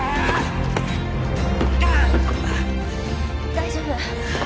大丈夫？